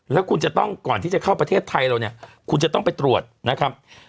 แล้วคุณจะต้องก่อนที่จะเข้าประเทศไทยเราเนี่ยคุณจะต้องไปตรวจนะครับ